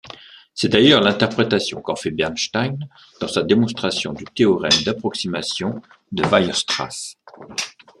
C'est d'ailleurs l'interprétation qu'en fait Bernstein dans sa démonstration du théorème d'approximation de Weierstrass.